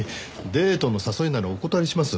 デートの誘いならお断りします。